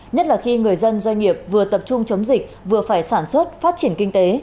nhất là khi người dân doanh nghiệp vừa tập trung chống dịch vừa phải sản xuất phát triển kinh tế